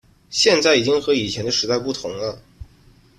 现在已经和以前的时代不同了